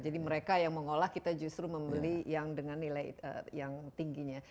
jadi mereka yang mau ngolah kita justru membeli yang dengan nilai yang tingginya